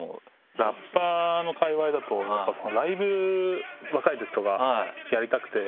ラッパーの界隈だとライブ若いときとかやりたくて。